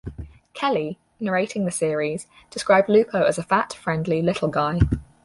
Kelly, narrating the series, described Lupo as a fat, friendly little guy.